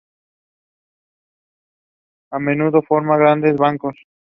A menudo forma grandes bancos.